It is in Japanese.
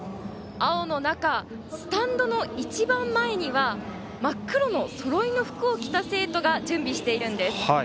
青の中、スタンドの一番前には真っ黒のそろいの服を着た生徒が準備しているんです。